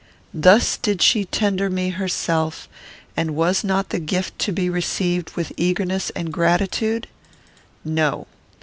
Thus did she tender me herself; and was not the gift to be received with eagerness and gratitude?